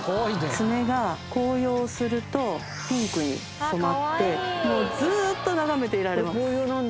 ツメが紅葉するとピンクに染まってもうずっと眺めていられます。